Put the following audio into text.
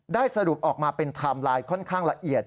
สรุปออกมาเป็นไทม์ไลน์ค่อนข้างละเอียด